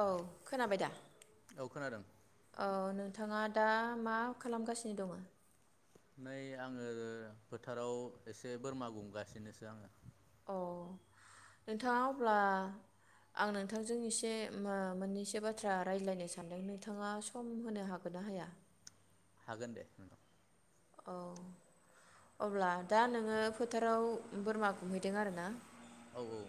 औ खोनाबाय दा? औ खोनादों। थाङा दा मा खालामगासिनो दङो? नै आङो फोथाराव एसे बोरमा गुमगासिनोसो आङो। अ' नोंथाङा अब्ला आं नोंथांजों एसे ओ मोननैसो बाथ्रा रायज्लायनो सानदों नोंथाङा सम होनो हागोन ना हाया? हागोन दे। औ अब्ला दा नोङो फोथाराव बोरमा गुमहैदों आरो ना? औ औ।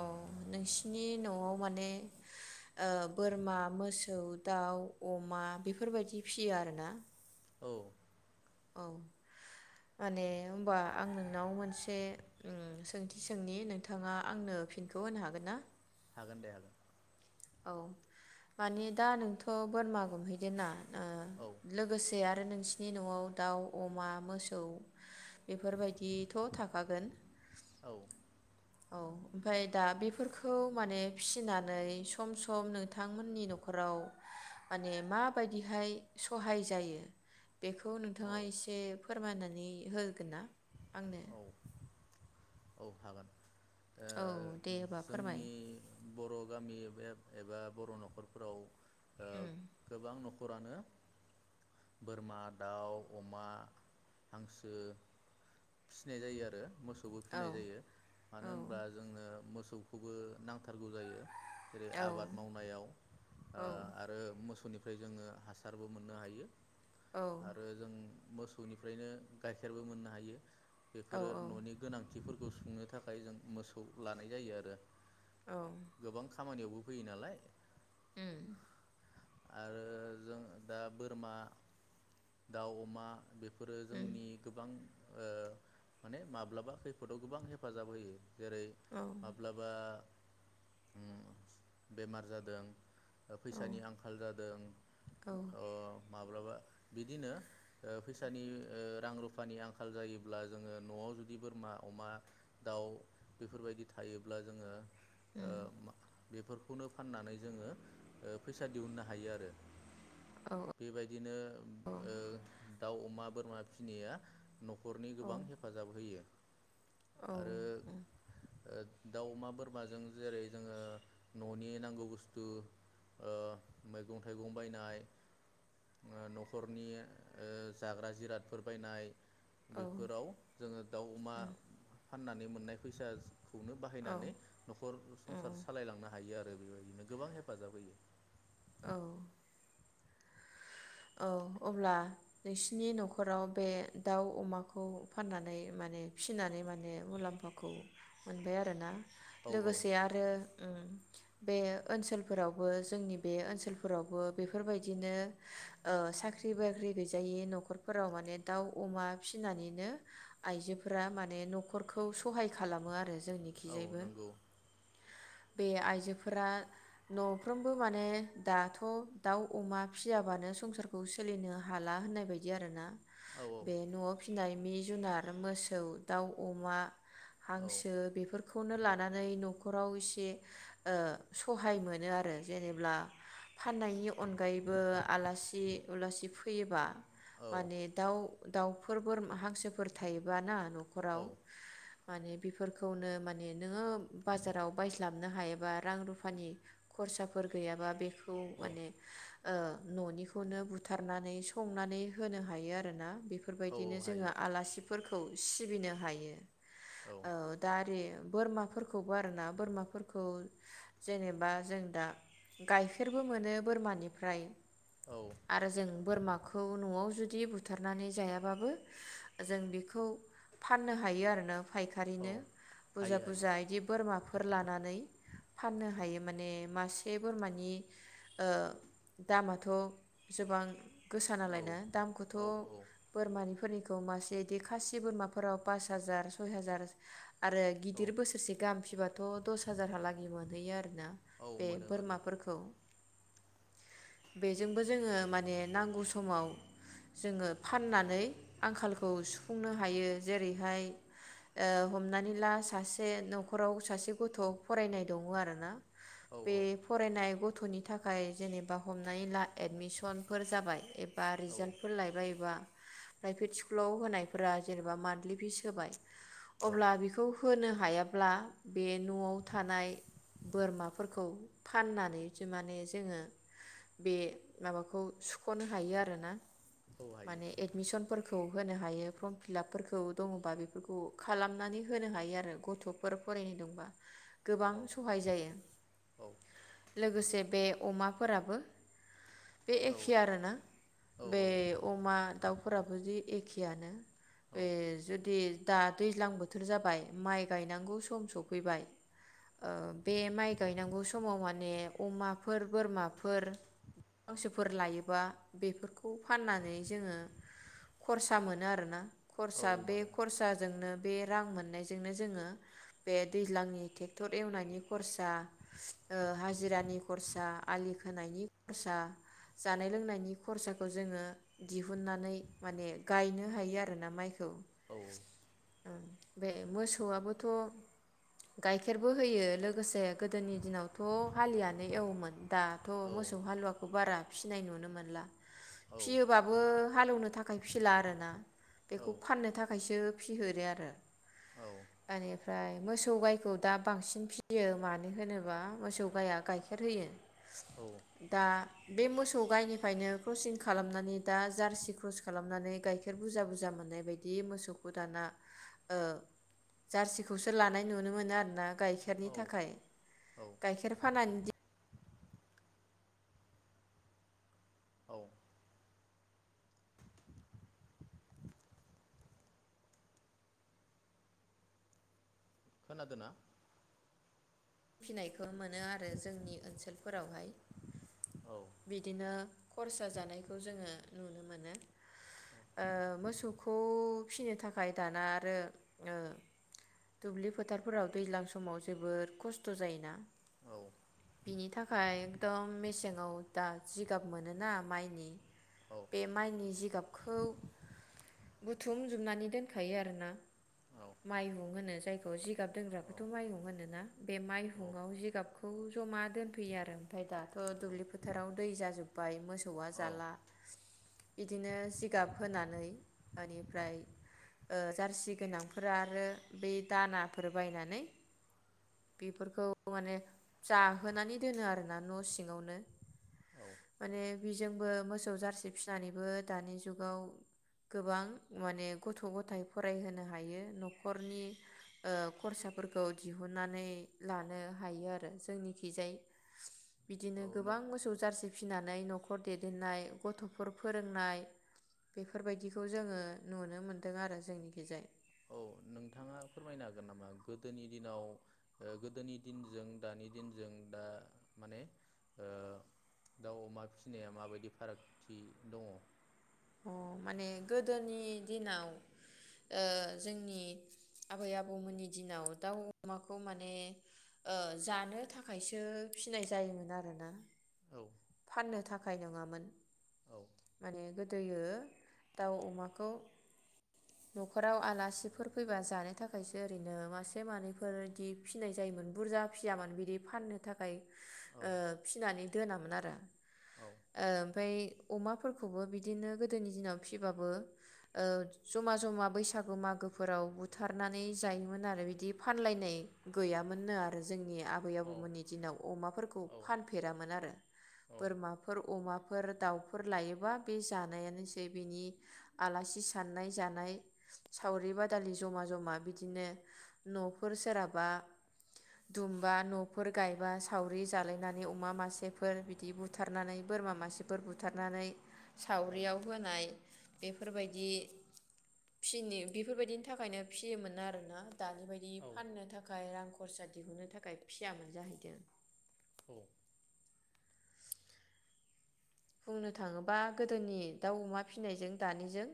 अ' नोंसिनि न'आव माने ओ बोरमा, मोसौ, दाउ, अमा बेफोरबायदि फिसियो आरोना? औ। औ माने होनबा आं नोंनाव मोनसे उम सोंथि सोंनि नोंथाङा आंनो फिनखौ होनो हागोन ना? हागोन दे हागोन। औ माने दा नोंथ' बोरमा गुमहैदों ना? औ ओ लोगोसे आ रो नोंसिनि न'आव दाउ, अमा, मोसौ बेफोरबायदिथ' थाखागोन? औ। औ ओमफाय दा बेफोरखौ माने फिसिनानै सम सम नोंथांमोननि न'खराव माने माबादिहाय सहाय जायो? बेखौ औ नोंथाङा एसे फोर फोरमायनानै होगोन ना आंनो? औ औ हागोन। ओ औ दे होबा फोरमाय। जोंनि बर' गामि एब एबा बर' नखरफोराव ओ उम गोबां नखरानो बोरमा, दाउ, अमा, हांसो फिसिनाय जायो आरो मोसौबो फिनाय औ जायो मानो औ होनबा जोंनो मोस सौखौबो नांथारगौ जायो। जेरै औ आबाद मावनायाव औ ओ आरो मोसौनि फ्राय जोङो हासारबो मोननो हायो। औ आरो जों मोसौनिफ्रायनो गाइखेरबो मोननो हायो। औ बेफोरो न'नि गोनां फोरखौ सुंनो थाखाय जों मोसौ लानाय जायो आरो। औ गोबां खामानियावबो फैयो नालाय उम आरो जों दा बोरमा दाउ अमा बे फोरो उम जोंनि गोबां ओ माने माब्लाबा बे खैफोदआव गोबां हेफाजाब होयो जेरै औ - माब्लाबा उम बेमार जादों औ फैसानि आंखाल जादों उम माब्लाबा बिदिनो ओ फैसानि ओ रां रुफानि आंखाल जायोब्ला जोङो न'आव जुदि बोरमा अमा दाउ बेफोरबायदि थायोब्ला जोंङो ओ मा बेफोरखौनो फाननानै जोंङो ओ फैसा दिहुननो हायो आरो औ बेबायदिनो ओ दाउ अमा बोरमा फिनाया न'खरनि औ गोबां हेफाजाब होयो। औ आरो ओ दाउ अमा बोरमाजों जेरै जोङो न'नि नांगौ बुस्थु ओ मैगं थाइगं बायनाय न'खरनि ओ जाग्रा जिरादफोर बायनाय बेफोराव जोंङो दाउ अमा फाननानै मोननाय फैसा खौनो औ बाहायनानै नखर संसार सालायलांनो हायो आरो आरो बेबायदिनो गोबां हेफाजाब होयो औ औ अब्ला नोंसिनि नखराव बे दाउ अमाखौ फाननानै माने फिनानै माने मुलाम्फाखौ मोनबाय आरोना। औ औ लोगोसे आरो बे ओनसोलफोरावबो जोंनि बे ओनसोलफोरावबो बेफोरबायदिनो ओ साख्रि बाख्रि गैजायि नखरफोराव माने दाउ अमा फिसिनानैनो आइजोफोरा माने न'खरखौ सहाय खालामो आरो जोंनि औ खिजायबो नंगौ बे आइजोफोरा नफ्रोमबो माने दाथ दाउ अमा फियाबानो संसारखौ सोलिनो हाला होननाय बायदि आरो ना औ बे न'आव फिनाय मि जुनार मोसौ दाउ अमा हांसो बेफोरखौनो लानानै न'खराव एसे सहाय मोनो आरो जेनेा फाननायनि अनगायैबो आला उलासि फैयोबा औ माने दाउ दाउफोर बोरमा हांसोफोर थायोब ना न खराव औ माने बेफोरखौनो माने नोंङो बाजाराव बायस्लाबनो हायाबा रां रुफानि खरसाफोर गैयाबा बे खौ औ माने ओ न'निख खौनो बुथारनानै संनानै होनो हायो आरोना बे औ फोरबायदिनो जोङो हायो आलासिफोरखौ सिबिनो हायो। औ दा आरि बोरमाफोरखौबो आरोना बोरमाफोरखौ जेनेबा जों दा गाइखेरबो मोनो बोरमानिफ्राय औ। आरो जों बोरमाखौ न'आव जुदि बुथारनानै जायाबाबो जों बेखौ फाननो हायो आरोना औ फायखारिनो बुरजा हायो हायो बुरजा इदि बोरमाफ फोर लानानै फाननो हायो माने मासे बोरमानि ओ दामाथ' जोबां गोसा औ नालायनो दामखौथ' औ बोरमानि फोरनिखौ मासे इदि खासि बोरमाफोराव पास हाजार सय हाजार आरो औ गिदिर बोसोरसे गाहाम फिबाथ' दस हाजारहालागि मोनहैयो आरो ना औ बे मोनो मोनो बोरमाफोरखौ। बेजोंबो ज जोङो माने नांगौ समाव जोङो फाननानै आंखालखौ सुफुंनो हायो। जेरैहाय ओ हमनानै ला सासे न'खराव सासे गथ' फरायनाय दङ आरोना औ बे फरायनाय गथ गथ'नि थाखाय जेनेबा हमनानै ला एडमिसनफोर जाबाय एबा औ रिजाल्टफोर लायबाय बा प्राइभेट स्कुलाव होनायफोरा जेनेबा मान्टलि फिस होबाय औ अब्ला बेखौ होनो हायाब्ला बे न'आव थानाय बोरमाफोरखौ फाननानै जो माने जोङो बे माबाखौ सुख'नो हायो आरोना। हायो माने एदमिसनफोर खौ होनो हायो फर्म फिलापफोरखौ दङबा बेफोरखौ खालामनानै होनो हायो आरो गथ'फोर फरायनाय दंबा। गोबां औ सहाय जायो औ लोगोसे बे अमाफोराबो बे औ एखे आरोना औ बे अमा, दाउ फोराबोदि एखेआनो। औ बे जुदि दा दैज्लां बोथोर जाबाय माइ गायनांगौ सम सफैबाय ओ बे माइ गायनांगौ समाव माने अमाफोर बोरमाफोर हांसोफोर लायोबा बेफोरखौ फाननानै जोङो खरसा मोनो आरोना। औ खरसा बे मोनो औ खरसाजोंनो बे रां मोननायजोंनो जोङो बे दैज्लांनि टेक्टर एवनायनि खरसा, ओ हाजिरानि खरसा, आलि खोनायनि खरसा जानाय लोंनायनि खरसाखौ जोङो दिहुननानै माने गायनो हायो आरोना माइखौ। औ। ओं बे मोसौआबोथ' गाइखेरबो होयो लोगोसे गोदोनि दिनावथ' हालियानो एवोमोन। दाथ' मोस हालुवाखौ बारा फिसिनाय नुनो मोनला फियोबाबो हालेवनो था खाय फिला आरोना औ बेखौ फाननो थाखायसो फिहोरो आरो आ फ्राय मोसौ गाइखौ दा बांसिन फियो मानो होनोबा मोसौ गाइआ गाइखेर होयो। औ दा बे मोसौ गायनिफ्रायनो क्रसिं खालामनानै दा जार्सि क्रस खालामनानै गाइखेर बुरजा बुरजा मोननाय बायदि मोसौखौ दाना ओ जार्सिखौसो लानाय नुनो मोनो आरोना गाइखेरनि थाखाय औ गाइखेर फानानानैदि औ खोनादोंना? फिनायखौ मोनो आरो जोंनि ओनसोलफोरावहाय औ बिदिनो खरसा जानायखौ जोङो नुनो मोनो औ ओ मोसौखौ फिनो थाखाय दाना आरो दुब्लि फोथारफोराव दैज्लां समाव जोबोर खस्थ' थ' जायोना औ बिनि थाखाय एकदम मेसेङाव दा जिगाब मोनोना माइनि औ बे माइनि जिगाब खौ बुथुम जोबनानै दोनखायो आरोना माइहुं होनो जायखौ जिगाब औ दोनग्राखौथ' माइहुं होनो ना बे माइहुङाव जिगाबखौ जमा दोनफैयो आरो ओमफाय दाथ' दुब्लि फोथाराव दै जाजोबबाय मोसौ सौआ जाला बिदिनो जिगाब होनानै इनिफ्राय ओ जार्सि गोनांफोरा आरो बे दानाफोर बायनानै बेफोरखौ माने जाहोनानै दोनो आरोना न' सिङावनो माने बिजोंबो मोसौ जारसि फिनानैबो दानि जुगाव गोबां माने गथ' गथाय फरायहोनो हायो न'खरनि ओ खरसाफोरखौ दिहुननानै लानो हायो आरो जोंनिखिजाय बिदिनो औ गोबां नों मोसौ जारसि फिनानै न'खर दैदेननाय गथ'फोर फोरोंनाय बेफोरबायदिखौ जोङो नुनो मोन्दों आरो जोंनिखैजाय औ नोंथाङा फोरमायनो हागोन नामा गोदोनि दिनाव ओ गोदोनि दिनजों दानि दिनजों दा माने ओ दाउ अमा फिसिनाया माबायदि फारागथि दङ अ माने गोदोनि दिनाव ओ जोंनि आबै आबौमोननि दिनाव दाउ अमाखौ माने ओ जानो थाखायसो फिनाय जायोमोन आरोना औ फाननो थाखाय नङामोन औ माने गो दोयो दाउ अमाखौ न'खराव आलासिफोर फैबा जानो थाखायसो ओरैनो मासे मानैफोरदि फिनाय जायोमोन बुरजा फियामोन बिदि फाननो थाखाय औ ओ फिनानै दोनामोन आरो औ ओमफाय अमाफोरखौबो बिदिनो गोदोनि दिनाव फिबाबो ओ जमा जमा बैसागु मागोफोराव बुथारनानै जायोमोन आरो बिदि फानलायनाय गैयामोननो आरो जोंनिया आबै औ आबौमोननि दिनाव अमाफोरखौ औ फानफेरामोन आरो बोरमाफोर अमा फोर दाउफोर लायोबा बे जानायानोसै बिनि आलासि साननाय जानाय सावरि बादालि जमा जमा बिदिनो न'फोर सोरहाबा दुमबा न'फोर गायबा सावरि जालायनानै अमा मासेफोर बिदि बु बुथारनानै बोरमा मासेफोर बुथारनानै सावरियाव होनाय बेफोरबायदि फिनि बेफोरबायदिनि थाखायनो फियोमोन आरोना दानि बायदि औ फाननो थाखाय रां खरसा दिहुननो थाखाय फियामोन जाहैदों अ बुंनो थाङोबा गोदोनि दाउ अमा फिसिनायजों दानिजों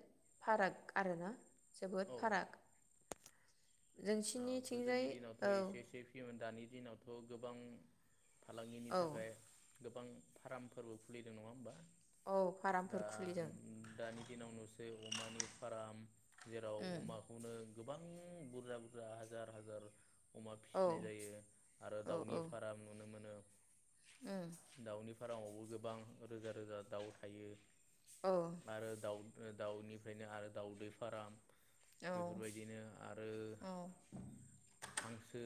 फाराग आरो ना जोबोद फाराग ओ गोदोनि जोंसिनिथिंजाय दिनावथ औ एसे एसे फियोमोन दानि दिनावथ थ गोबां फालांगिनि औ थाखाय गोबां फार्मफोरबो खुलिदों नङा होमबा? औ दा फार्मफोर खुलिदों दानि दिनाव नुसै अमानि फार्म जेराव उम अमाखौनो गोबां बुरजा बुर हाजार हाजार अमा औ फिसिनाय जायो आरो औ दाउनि औ फारम नुनो मोनो उम दाउनि फारामावबो गोबां रोजा रोजा दाउ थायो औ आरो दाउ दाउनिफ्रायनो आरो दाउदै फार्म औ बेफोरबायदिनो आरो औ हांसो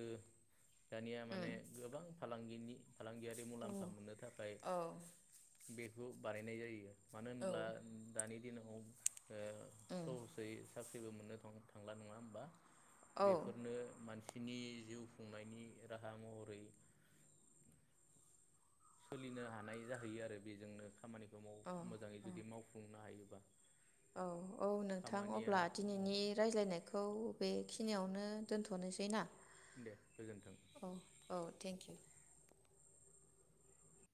दानिया माने उम गोबां फालांगिनि फालांगियारि मुलाम्फा मोननो थाखाय औ बे बेखौ बानायनाय जायो मानो औ होनब्ला दानि दिनाव ओ उम सहसै साख्रि जेबो मोननो थांला नङा होमबा औ बेफोरनो मानसि नि जिउ खुंनायनि राहा महरै सोलिनो हानाय जाहैयो आरो बेजोंनो खामानिखौ माव मोजाङै जुदि मावफुंनो हायो औ औ नोंथां अब्ला औ दिनैनि रायज्लायनायखौ बे बेखिनियावनो दोनथ'नोसै ना दे गोजोन्थों। औ औ थेंकिउ